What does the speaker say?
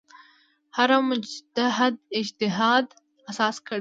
هر مجتهد اجتهاد اساس کړی.